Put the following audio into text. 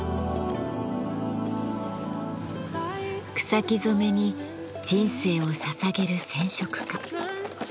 草木染めに人生をささげる染織家。